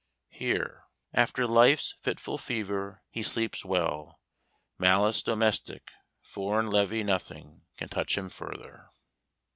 Here, "After life's fitful fever, he sleeps well. Malice domestic, foreign levy, nothing Can touch him further!"